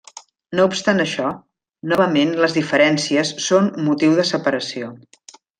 No obstant això, novament les diferències són motiu de separació.